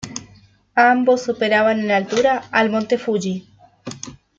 Ambos superaban en altura al monte Fuji.